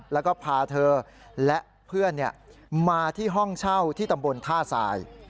แล้วก็พาเธอและเพื่อนมาที่ห้องเช่าที่ตำบลท่าทราย